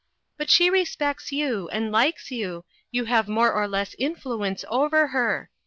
But she respects you, and likes you, and you have more or less influence over her.